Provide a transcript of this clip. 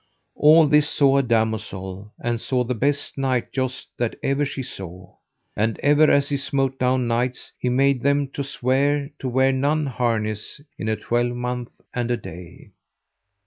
All this saw a damosel, and saw the best knight joust that ever she saw. And ever as he smote down knights he made them to swear to wear none harness in a twelvemonth and a day.